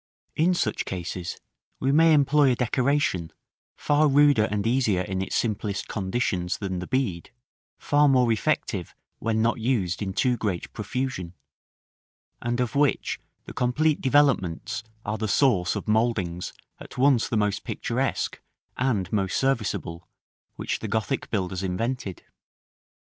In such cases we may employ a decoration, far ruder and easier in its simplest conditions than the bead, far more effective when not used in too great profusion; and of which the complete developments are the source of mouldings at once the most picturesque and most serviceable which the Gothic builders invented.